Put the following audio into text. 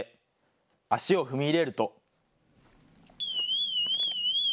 足を踏み入れると。